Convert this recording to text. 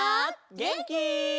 げんき？